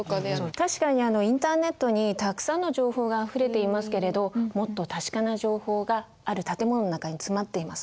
確かにインターネットにたくさんの情報があふれていますけれどもっと確かな情報がある建物の中に詰まっています。